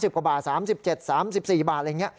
กว่าบาท๓๗๓๔บาทอะไรอย่างนี้